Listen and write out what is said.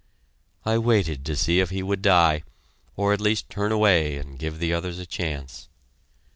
I waited to see if he would die, or at least turn away and give the others a chance.